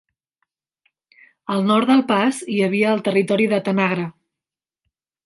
Al nord del pas hi havia el territori de Tanagra.